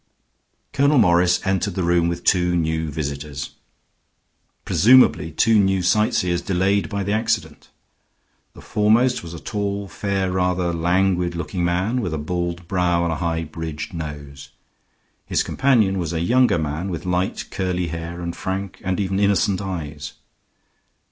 Colonel Morris entered the room with two new visitors; presumably two new sightseers delayed by the accident. The foremost was a tall, fair, rather languid looking man with a bald brow and a high bridged nose; his companion was a younger man with light, curly hair and frank, and even innocent, eyes.